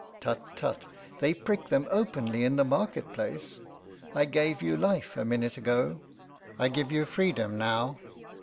Tut! tut! they prick them openly in the market place. I gave you life a minute ago; I give you freedom now.